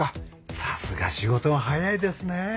さすが仕事が早いですね。